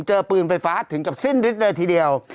เจอปืนไฟฟ้าถึงกับสิ้นฤทธิเลยทีเดียว